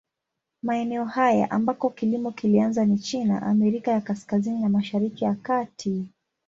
Maeneo haya ambako kilimo kilianza ni China, Amerika ya Kaskazini na Mashariki ya Kati.